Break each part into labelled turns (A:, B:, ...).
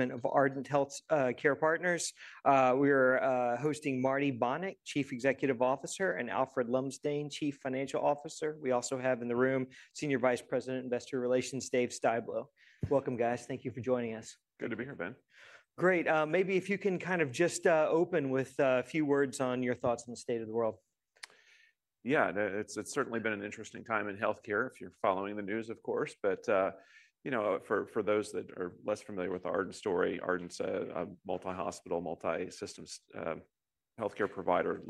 A: Of Ardent Health. We are hosting Marty Bonick, Chief Executive Officer, and Alfred Lumsdaine, Chief Financial Officer. We also have in the room Senior Vice President, Investor Relations, Dave Styblo. Welcome, guys. Thank you for joining us.
B: Good to be here, Ben.
A: Great. Maybe if you can kind of just open with a few words on your thoughts on the state of the world.
B: Yeah, it's certainly been an interesting time in healthcare, if you're following the news, of course. For those that are less familiar with Ardent's story, Ardent's a multi-hospital, multi-systems healthcare provider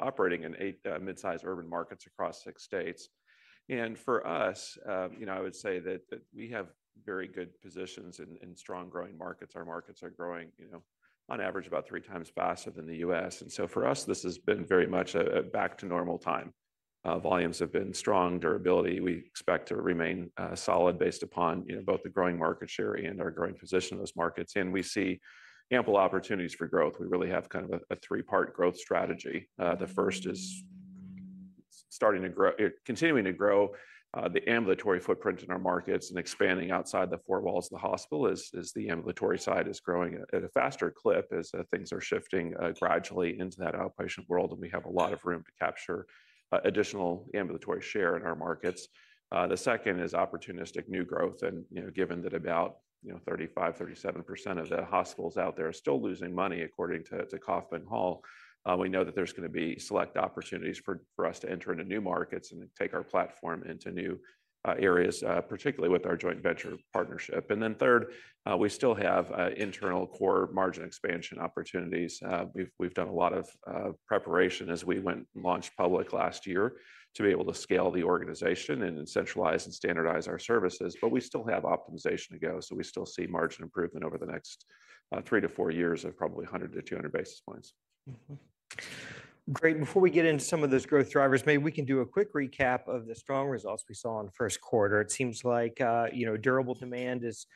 B: operating in eight midsize urban markets across six states. For us, I would say that we have very good positions in strong growing markets. Our markets are growing on average about three times faster than the U.S. For us, this has been very much a back-to-normal time. Volumes have been strong, durability. We expect to remain solid based upon both the growing market share and our growing position in those markets. We see ample opportunities for growth. We really have kind of a three-part growth strategy. The first is continuing to grow the ambulatory footprint in our markets and expanding outside the four walls of the hospital as the ambulatory side is growing at a faster clip as things are shifting gradually into that outpatient world. We have a lot of room to capture additional ambulatory share in our markets. The second is opportunistic new growth. Given that about 35%-37% of the hospitals out there are still losing money, according to Kaufman Hall, we know that there's going to be select opportunities for us to enter into new markets and take our platform into new areas, particularly with our joint venture partnership. Third, we still have internal core margin expansion opportunities. We've done a lot of preparation as we went and launched public last year to be able to scale the organization and centralize and standardize our services. We still have optimization to go. So we still see margin improvement over the next 3-4 years of probably 100-200 basis points.
A: Great. Before we get into some of those growth drivers, maybe we can do a quick recap of the strong results we saw in the first quarter. It seems like durable demand is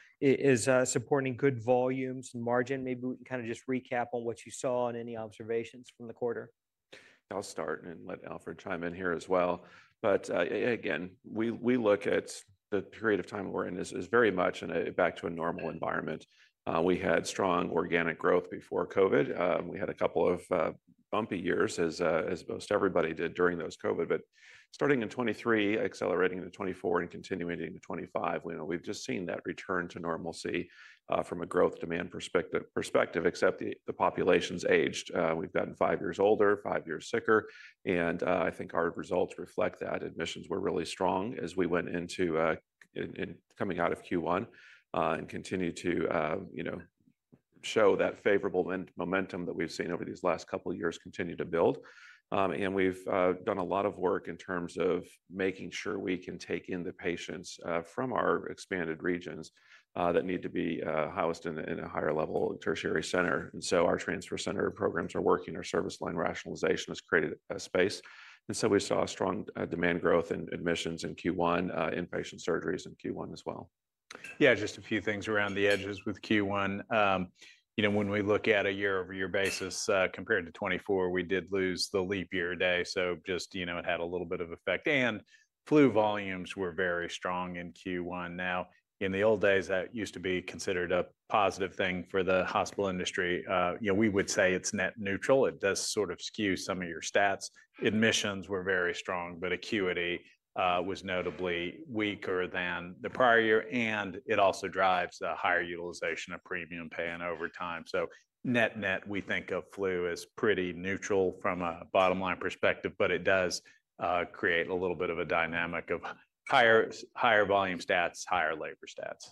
A: supporting good volumes and margin. Maybe we can kind of just recap on what you saw and any observations from the quarter.
B: I'll start and let Alfred chime in here as well. Again, we look at the period of time we're in as very much back to a normal environment. We had strong organic growth before COVID. We had a couple of bumpy years, as most everybody did during those COVID years. Starting in 2023, accelerating into 2024, and continuing into 2025, we've just seen that return to normalcy from a growth demand perspective, except the population's aged. We've gotten five years older, five years sicker. I think our results reflect that. Admissions were really strong as we went into coming out of Q1 and continue to show that favorable momentum that we've seen over these last couple of years continue to build. We have done a lot of work in terms of making sure we can take in the patients from our expanded regions that need to be housed in a higher level tertiary center. Our transfer center programs are working. Our service line rationalization has created a space. We saw strong demand growth in admissions in Q1, inpatient surgeries in Q1 as well.
C: Yeah, just a few things around the edges with Q1. When we look at a year-over-year basis compared to 2024, we did lose the leap year a day. Just it had a little bit of effect. Flu volumes were very strong in Q1. In the old days, that used to be considered a positive thing for the hospital industry. We would say it's net neutral. It does sort of skew some of your stats. Admissions were very strong, but acuity was notably weaker than the prior year. It also drives the higher utilization of premium paying over time. Net net, we think of flu as pretty neutral from a bottom line perspective, but it does create a little bit of a dynamic of higher volume stats, higher labor stats.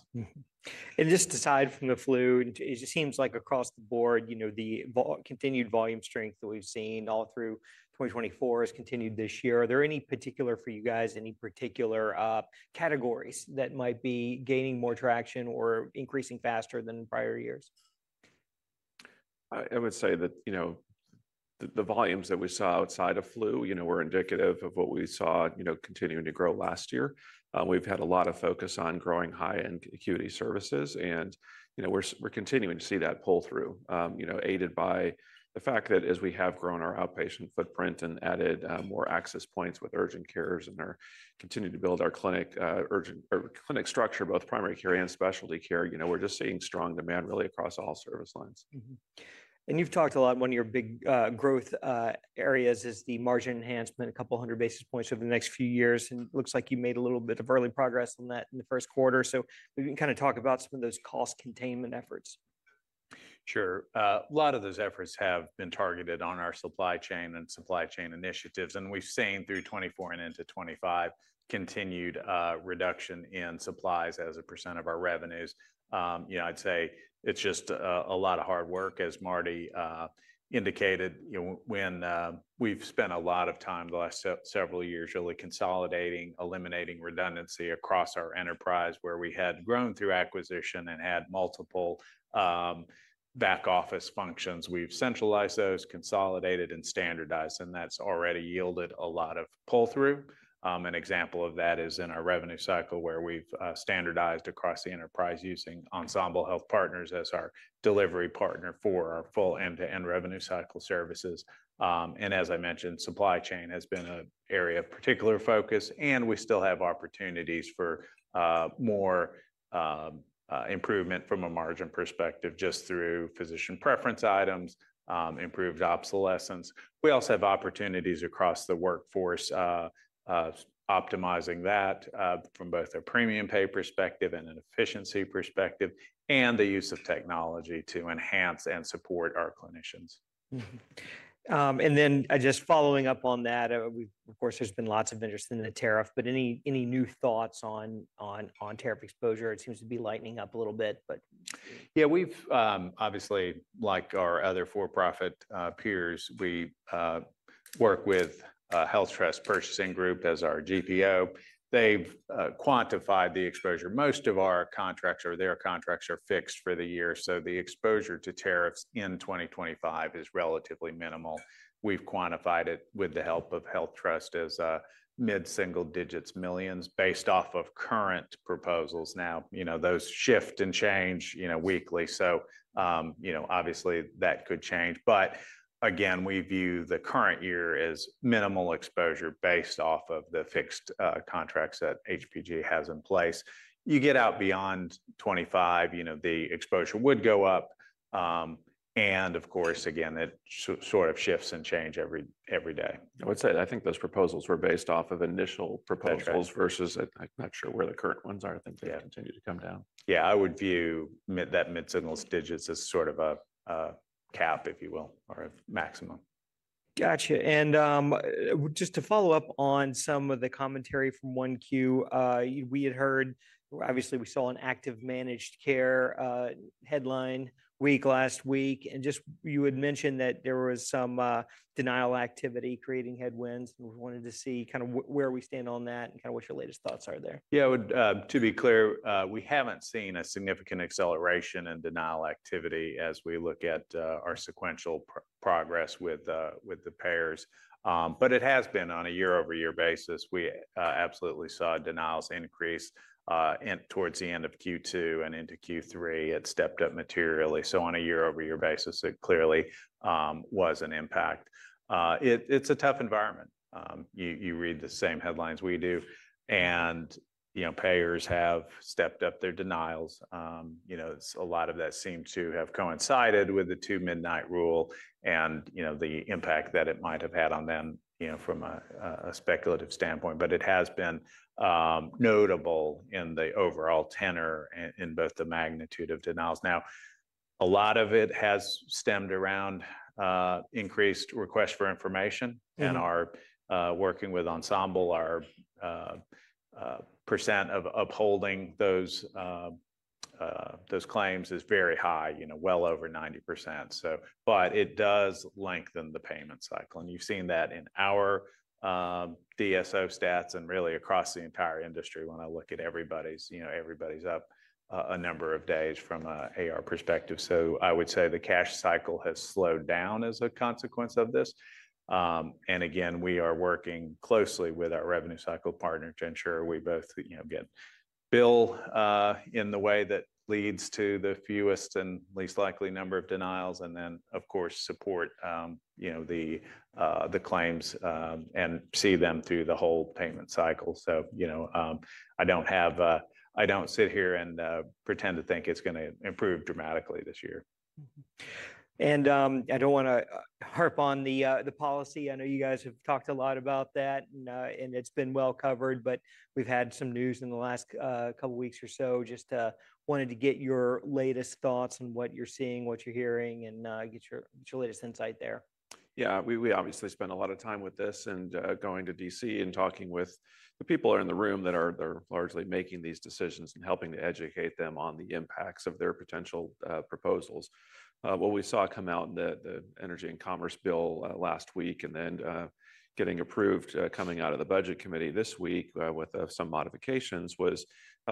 A: Just aside from the flu, it just seems like across the board, the continued volume strength that we've seen all through 2024 has continued this year. Are there any particular, for you guys, any particular categories that might be gaining more traction or increasing faster than prior years?
B: I would say that the volumes that we saw outside of flu were indicative of what we saw continuing to grow last year. We have had a lot of focus on growing high-end acuity services. We are continuing to see that pull through, aided by the fact that as we have grown our outpatient footprint and added more access points with urgent cares and are continuing to build our clinic structure, both primary care and specialty care, we are just seeing strong demand really across all service lines.
A: You've talked a lot. One of your big growth areas is the margin enhancement, a couple hundred basis points over the next few years. It looks like you made a little bit of early progress on that in the first quarter. We can kind of talk about some of those cost containment efforts.
C: Sure. A lot of those efforts have been targeted on our supply chain and supply chain initiatives. We've seen through 2024 and into 2025 continued reduction in supplies as a percent of our revenues. I'd say it's just a lot of hard work, as Marty indicated. We've spent a lot of time the last several years really consolidating, eliminating redundancy across our enterprise where we had grown through acquisition and had multiple back office functions. We've centralized those, consolidated, and standardized. That's already yielded a lot of pull through. An example of that is in our revenue cycle where we've standardized across the enterprise using Ensemble Health Partners as our delivery partner for our full end-to-end revenue cycle services. As I mentioned, supply chain has been an area of particular focus. We still have opportunities for more improvement from a margin perspective just through physician preference items, improved obsolescence. We also have opportunities across the workforce optimizing that from both a premium pay perspective and an efficiency perspective and the use of technology to enhance and support our clinicians.
A: Just following up on that, of course, there's been lots of interest in the tariff. Any new thoughts on tariff exposure? It seems to be lightening up a little bit.
C: Yeah, we've obviously, like our other for-profit peers, we work with HealthTrust Purchasing Group as our GPO. They've quantified the exposure. Most of our contracts or their contracts are fixed for the year. The exposure to tariffs in 2025 is relatively minimal. We've quantified it with the help of HealthTrust as mid-single digits millions based off of current proposals. Now, those shift and change weekly. That could change. Again, we view the current year as minimal exposure based off of the fixed contracts that HPG has in place. You get out beyond 2025, the exposure would go up. Of course, again, it sort of shifts and changes every day.
A: I would say, I think those proposals were based off of initial proposals versus I'm not sure where the current ones are. I think they continue to come down.
C: Yeah, I would view that mid-single digits as sort of a cap, if you will, or a maximum.
A: Gotcha. Just to follow up on some of the commentary from 1Q, we had heard, obviously, we saw an active managed care headline week last week. You had mentioned that there was some denial activity creating headwinds. We wanted to see kind of where we stand on that and kind of what your latest thoughts are there.
C: Yeah, to be clear, we haven't seen a significant acceleration in denial activity as we look at our sequential progress with the payers. It has been on a year-over-year basis. We absolutely saw denials increase towards the end of Q2 and into Q3. It stepped up materially. On a year-over-year basis, it clearly was an impact. It's a tough environment. You read the same headlines we do. Payers have stepped up their denials. A lot of that seems to have coincided with the Two-Midnight Rule and the impact that it might have had on them from a speculative standpoint. It has been notable in the overall tenor and in both the magnitude of denials. A lot of it has stemmed around increased requests for information. Working with Ensemble, our percent of upholding those claims is very high, well over 90%. It does lengthen the payment cycle. You've seen that in our DSO stats and really across the entire industry when I look at everybody's, everybody's up a number of days from an AR perspective. I would say the cash cycle has slowed down as a consequence of this. Again, we are working closely with our revenue cycle partner to ensure we both get bill in the way that leads to the fewest and least likely number of denials. Then, of course, support the claims and see them through the whole payment cycle. I don't sit here and pretend to think it's going to improve dramatically this year.
A: I do not want to harp on the policy. I know you guys have talked a lot about that. It has been well covered. We have had some news in the last couple of weeks or so. I just wanted to get your latest thoughts on what you are seeing, what you are hearing, and get your latest insight there.
B: Yeah, we obviously spent a lot of time with this and going to D.C. and talking with the people that are in the room that are largely making these decisions and helping to educate them on the impacts of their potential proposals. What we saw come out in the Energy and Commerce bill last week and then getting approved, coming out of the Budget Committee this week with some modifications was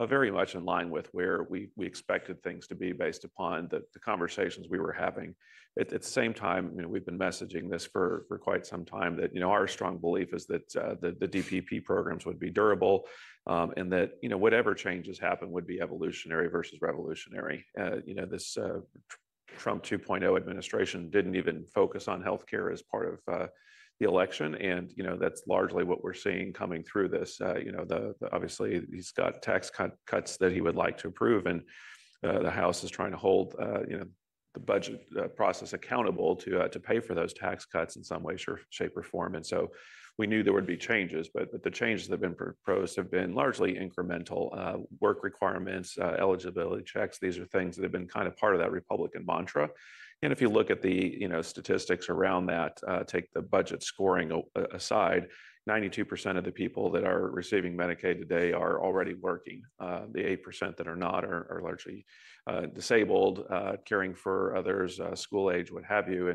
B: very much in line with where we expected things to be based upon the conversations we were having. At the same time, we've been messaging this for quite some time that our strong belief is that the DPP programs would be durable and that whatever changes happen would be evolutionary versus revolutionary. This Trump 2.0 Administration didn't even focus on healthcare as part of the election. That's largely what we're seeing coming through this. Obviously, he's got tax cuts that he would like to approve. The House is trying to hold the budget process accountable to pay for those tax cuts in some way, shape, or form. We knew there would be changes. The changes that have been proposed have been largely incremental work requirements, eligibility checks. These are things that have been kind of part of that Republican mantra. If you look at the statistics around that, take the budget scoring aside, 92% of the people that are receiving Medicaid today are already working. The 8% that are not are largely disabled, caring for others, school age, what have you.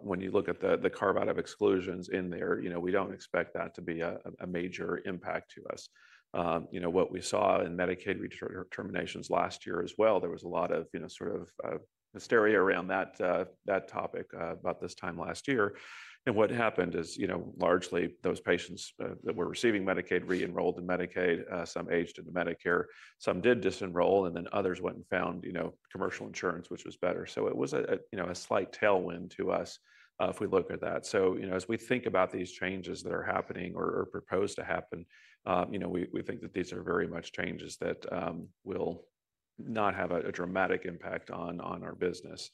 B: When you look at the carve-out of exclusions in there, we do not expect that to be a major impact to us. What we saw in Medicaid terminations last year as well, there was a lot of sort of hysteria around that topic about this time last year. What happened is largely those patients that were receiving Medicaid re-enrolled in Medicaid, some aged into Medicare, some did disenroll, and then others went and found commercial insurance, which was better. It was a slight tailwind to us if we look at that. As we think about these changes that are happening or proposed to happen, we think that these are very much changes that will not have a dramatic impact on our business.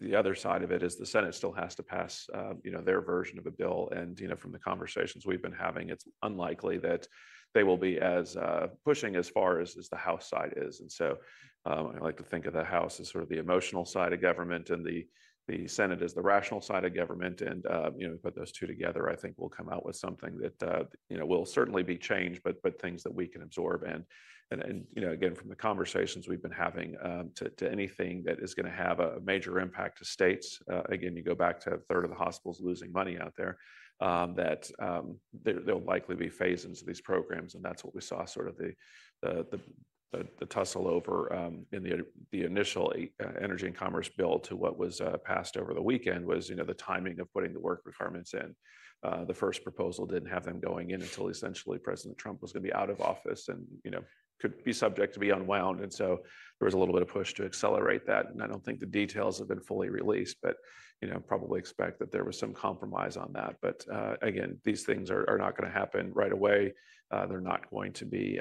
B: The other side of it is the Senate still has to pass their version of a bill. From the conversations we've been having, it's unlikely that they will be as pushing as far as the House side is. I like to think of the House as sort of the emotional side of government and the Senate as the rational side of government. We put those two together, I think we'll come out with something that will certainly be changed, but things that we can absorb. Again, from the conversations we've been having, anything that is going to have a major impact to states, you go back to a third of the hospitals losing money out there, that there will likely be phasings of these programs. That is what we saw, sort of the tussle over in the initial energy and commerce bill to what was passed over the weekend, was the timing of putting the work requirements in. The first proposal did not have them going in until essentially President Trump was going to be out of office and could be subject to be unwound. There was a little bit of push to accelerate that. I do not think the details have been fully released, but probably expect that there was some compromise on that. These things are not going to happen right away. They are going to be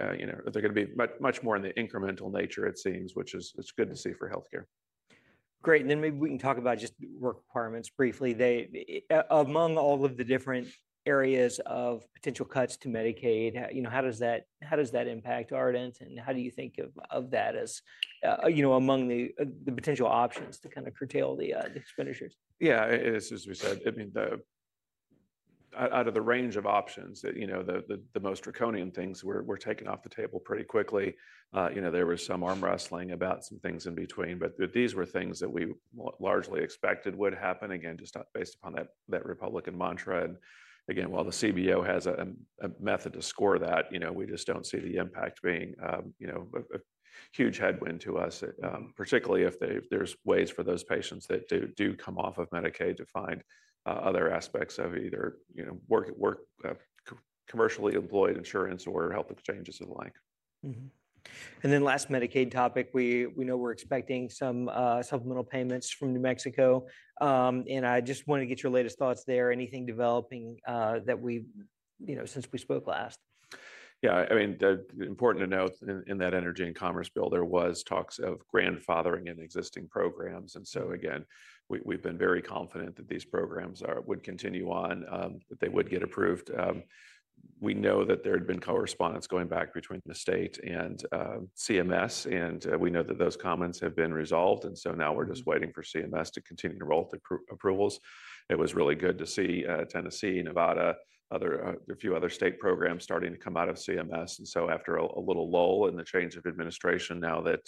B: much more in the incremental nature, it seems, which is good to see for healthcare.
A: Great. Maybe we can talk about just work requirements briefly. Among all of the different areas of potential cuts to Medicaid, how does that impact Ardent? How do you think of that as among the potential options to kind of curtail the expenditures?
B: Yeah, as we said, I mean, out of the range of options, the most draconian things were taken off the table pretty quickly. There was some arm wrestling about some things in between. These were things that we largely expected would happen, again, just based upon that Republican mantra. Again, while the CBO has a method to score that, we just do not see the impact being a huge headwind to us, particularly if there are ways for those patients that do come off of Medicaid to find other aspects of either commercially employed insurance or health exchanges and the like.
A: Last Medicaid topic, we know we're expecting some supplemental payments from New Mexico. I just want to get your latest thoughts there. Anything developing since we spoke last?
B: Yeah, I mean, important to note in that energy and commerce bill, there were talks of grandfathering in existing programs. Again, we've been very confident that these programs would continue on, that they would get approved. We know that there had been correspondence going back between the state and CMS. We know that those comments have been resolved. Now we're just waiting for CMS to continue to roll through approvals. It was really good to see Tennessee, Nevada, a few other state programs starting to come out of CMS. After a little lull in the change of administration, now that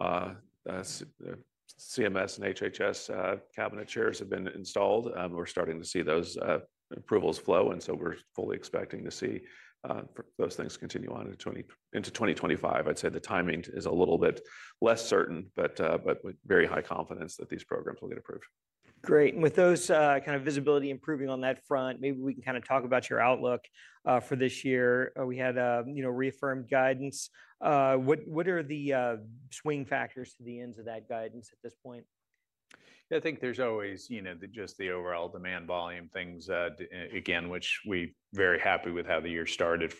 B: CMS and HHS cabinet chairs have been installed, we're starting to see those approvals flow. We're fully expecting to see those things continue on into 2025. I'd say the timing is a little bit less certain, but with very high confidence that these programs will get approved.
A: Great. With those kind of visibility improving on that front, maybe we can kind of talk about your outlook for this year. We had reaffirmed guidance. What are the swing factors to the ends of that guidance at this point?
B: Yeah, I think there's always just the overall demand volume things, again, which we're very happy with how the year started,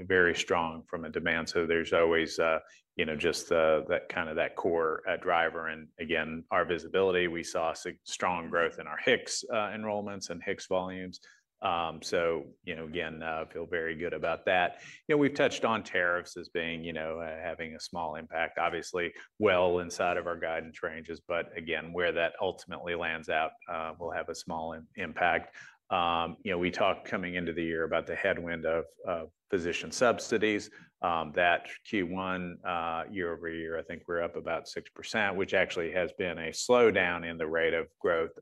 B: very strong from a demand. There's always just kind of that core driver. Again, our visibility, we saw strong growth in our HIX enrollments and HIX volumes. I feel very good about that. We've touched on tariffs as being having a small impact, obviously, well inside of our guidance ranges. Where that ultimately lands out, we'll have a small impact. We talked coming into the year about the headwind of physician subsidies. That Q1, year over year, I think we're up about 6%, which actually has been a slowdown in the rate of growth.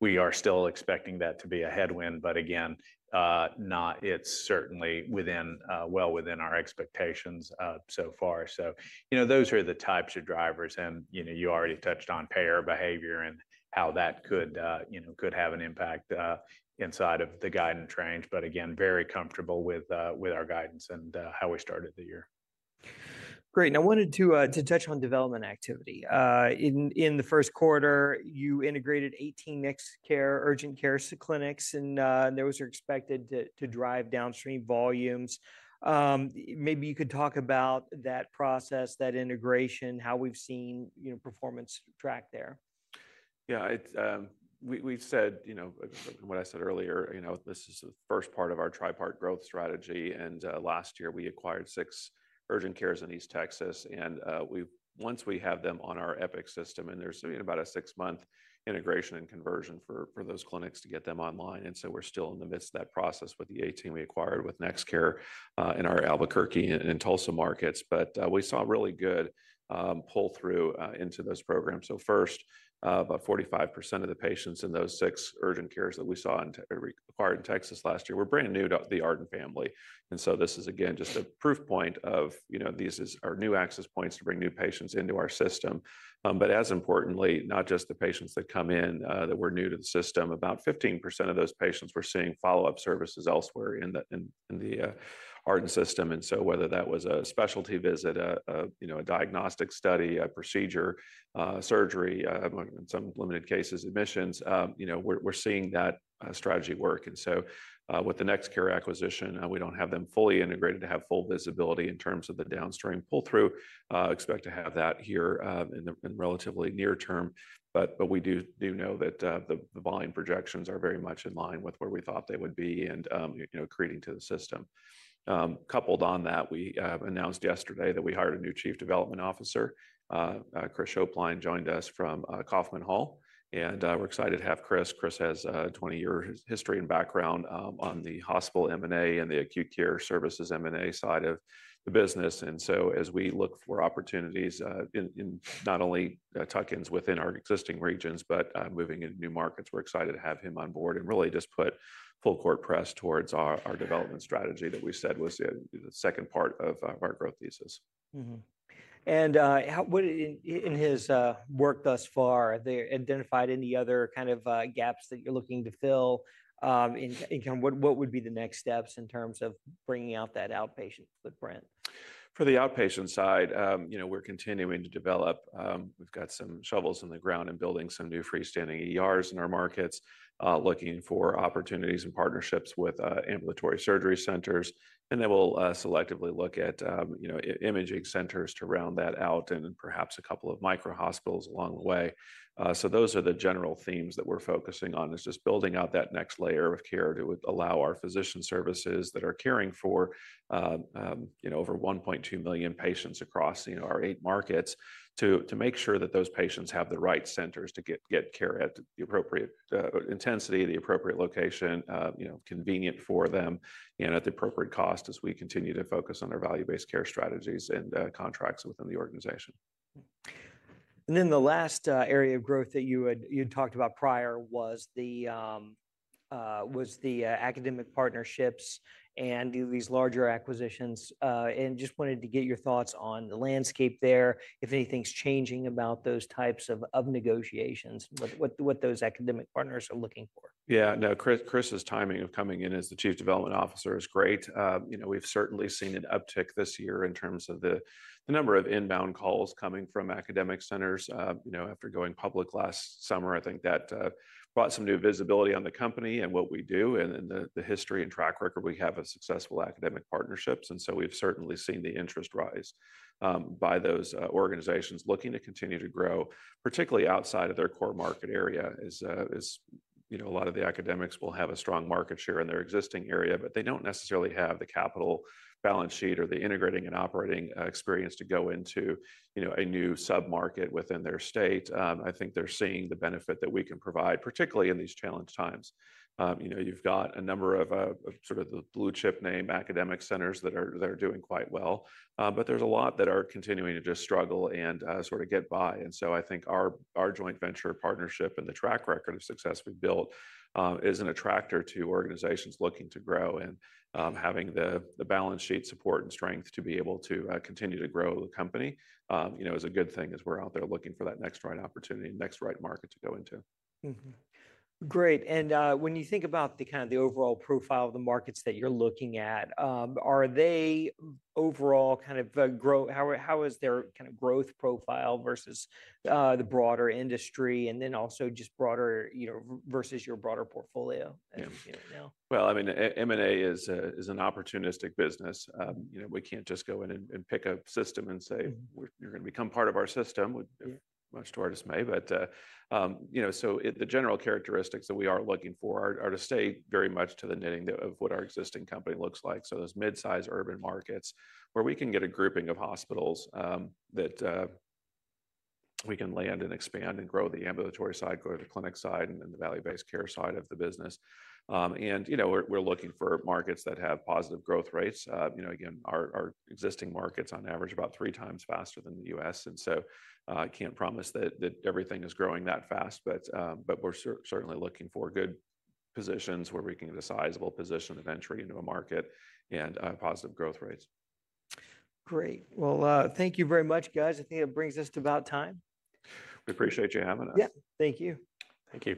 B: We are still expecting that to be a headwind. It's certainly well within our expectations so far. Those are the types of drivers. You already touched on payer behavior and how that could have an impact inside of the guidance range. Again, very comfortable with our guidance and how we started the year.
A: Great. I wanted to touch on development activity. In the first quarter, you integrated 18 mixed care urgent care clinics. Those are expected to drive downstream volumes. Maybe you could talk about that process, that integration, how we've seen performance track there.
B: Yeah, we've said, what I said earlier, this is the first part of our tripart growth strategy. Last year, we acquired six urgent cares in East Texas. Once we have them on our Epic system, and there's been about a six-month integration and conversion for those clinics to get them online. We are still in the midst of that process with the 18 we acquired with NextCare in our Albuquerque and Tulsa markets. We saw a really good pull through into those programs. First, about 45% of the patients in those six urgent cares that we saw acquired in Texas last year were brand new to the Ardent family. This is, again, just a proof point of these are new access points to bring new patients into our system. As importantly, not just the patients that come in that were new to the system, about 15% of those patients were seeing follow-up services elsewhere in the Ardent system. Whether that was a specialty visit, a diagnostic study, a procedure, surgery, in some limited cases, admissions, we're seeing that strategy work. With the NextCare acquisition, we don't have them fully integrated to have full visibility in terms of the downstream pull through. Expect to have that here in the relatively near term. We do know that the volume projections are very much in line with where we thought they would be and creating to the system. Coupled on that, we announced yesterday that we hired a new Chief Development Officer. Chris Shopline joined us from Kaufman Hall. We're excited to have Chris. Chris has a 20-year history and background on the hospital M&A and the acute care services M&A side of the business. As we look for opportunities in not only Tuckins within our existing regions, but moving into new markets, we're excited to have him on board and really just put full court press towards our development strategy that we said was the second part of our growth thesis.
A: In his work thus far, have they identified any other kind of gaps that you're looking to fill? What would be the next steps in terms of bringing out that outpatient footprint?
B: For the outpatient side, we're continuing to develop. We've got some shovels in the ground and building some new freestanding ERs in our markets, looking for opportunities and partnerships with ambulatory surgery centers. Then we'll selectively look at imaging centers to round that out and perhaps a couple of micro hospitals along the way. Those are the general themes that we're focusing on, just building out that next layer of care to allow our physician services that are caring for over 1.2 million patients across our eight markets to make sure that those patients have the right centers to get care at the appropriate intensity, the appropriate location, convenient for them, and at the appropriate cost as we continue to focus on our value-based care strategies and contracts within the organization.
A: The last area of growth that you had talked about prior was the academic partnerships and these larger acquisitions. I just wanted to get your thoughts on the landscape there, if anything's changing about those types of negotiations, what those academic partners are looking for.
B: Yeah, no, Chris's timing of coming in as the Chief Development Officer is great. We've certainly seen an uptick this year in terms of the number of inbound calls coming from academic centers. After going public last summer, I think that brought some new visibility on the company and what we do and the history and track record. We have successful academic partnerships. We've certainly seen the interest rise by those organizations looking to continue to grow, particularly outside of their core market area. A lot of the academics will have a strong market share in their existing area, but they don't necessarily have the capital balance sheet or the integrating and operating experience to go into a new sub-market within their state. I think they're seeing the benefit that we can provide, particularly in these challenge times. You've got a number of sort of the blue chip name academic centers that are doing quite well. There are a lot that are continuing to just struggle and sort of get by. I think our joint venture partnership and the track record of success we've built is an attractor to organizations looking to grow, and having the balance sheet support and strength to be able to continue to grow the company is a good thing as we're out there looking for that next right opportunity, next right market to go into.
A: Great. When you think about the kind of the overall profile of the markets that you're looking at, are they overall kind of grow? How is their kind of growth profile versus the broader industry and then also just broader versus your broader portfolio?
B: M&A is an opportunistic business. We can't just go in and pick a system and say, "You're going to become part of our system." Much to our dismay. The general characteristics that we are looking for are to stay very much to the knitting of what our existing company looks like. Those mid-size urban markets where we can get a grouping of hospitals that we can land and expand and grow the ambulatory side, go to the clinic side, and the value-based care side of the business. We're looking for markets that have positive growth rates. Again, our existing markets on average are about three times faster than the U.S. I can't promise that everything is growing that fast. We're certainly looking for good positions where we can get a sizable position of entry into a market and positive growth rates.
A: Great. Thank you very much, guys. I think it brings us to about time.
B: We appreciate you having us.
A: Yeah, thank you.
C: Thank you.